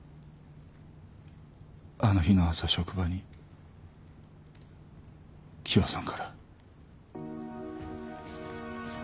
あの日の朝職場に喜和さんから。